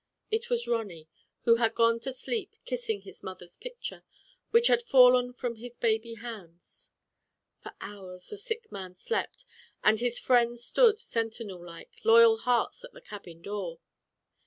It was Ronny, who had gone to sleep kissing his mother's picture, which had fallen from his baby hands. For hours the sick man slept, and his friends stood, sentinel like, loyal hearts at the cabin door.